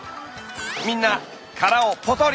みんな殻をポトリ。